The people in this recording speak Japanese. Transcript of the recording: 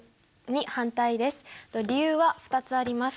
理由は２つあります。